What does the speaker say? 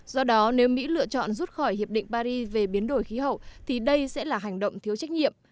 do đó nếu mỹ lựa chọn rút khỏi hiệp định paris về biến đổi khí hậu thì đây sẽ là hành động thiếu trách nhiệm